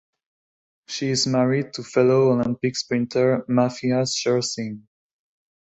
She is married to fellow Olympic sprinter Mathias Schersing.